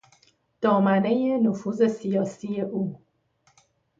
دامنهی نفوذ سیاسی او